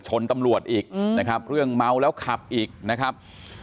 ชนตำรวจอีกนะครับเรื่องเมาแล้วขับอีกนะครับ